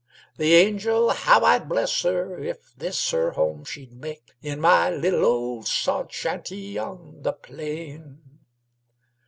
The angel how I'd bless her, If this her home she'd make, In my little old sod shanty on the plain."